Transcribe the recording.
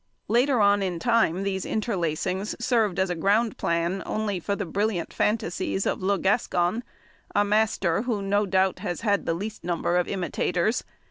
Later on in time these interlacings served as a ground plan only for the brilliant fantasies of Le Gascon, a master who no doubt has had the least number of imitators.